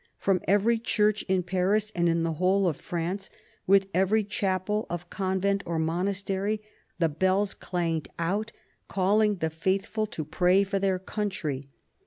From every church in Paris and in the whole of France, with every chapel of convent or monastery, the bells clanged out, calling the faithful to pray for their country.